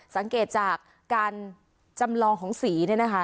สังเกตจากการจำลองของสีเนี่ยนะคะ